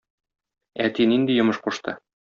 Әти нинди йомыш кушты?